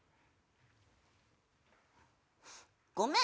「ごめん！